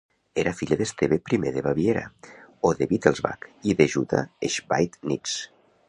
Era filla d'Esteve I de Baviera o de Wittelsbach i de Jutta Schweidnitz.